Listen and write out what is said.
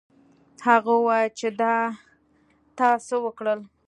هغه وویل چې دا تا څه وکړل.